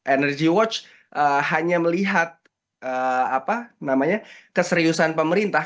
energy watch hanya melihat keseriusan pemerintah